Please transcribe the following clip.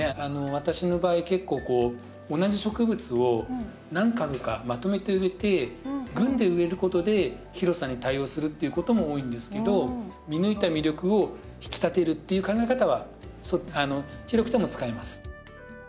私の場合結構こう同じ植物を何株かまとめて植えて群で植えることで広さに対応するっていうことも多いんですけど見抜いた魅力を引き立てるっていう考え方は広くても使えます。